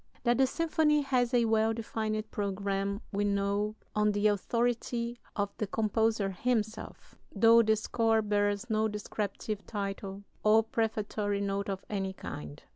That the symphony has a well defined programme we know on the authority of the composer himself, though the score bears no descriptive title or prefatory note of any kind.